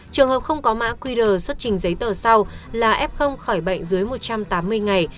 trường hợp không có mã qr xuất trình giấy tờ sau là f khỏi bệnh dưới một trăm tám mươi ngày